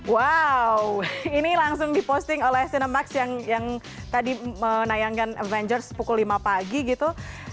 wow ini langsung diposting oleh cinemax yang tadi menayangkan avengers pukul lima pagi gitu